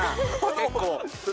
結構。